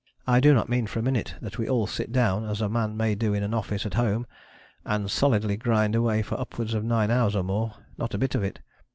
I do not mean for a minute that we all sit down, as a man may do in an office at home, and solidly grind away for upwards of nine hours or more. Not a bit of it.